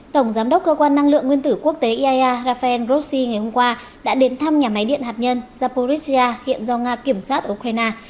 tổng giám đốc cơ quan năng lượng nguyên tử quốc tế iaea rafael grossi ngày hôm qua đã đến thăm nhà máy điện hạt nhân zaporisia hiện do nga kiểm soát ukraine